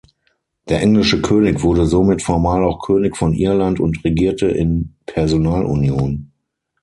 Der englische König wurde somit formal auch König von Irland und regierte in Personalunion.